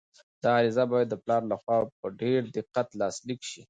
دا عریضه باید د پلار لخوا په ډېر دقت لاسلیک شي.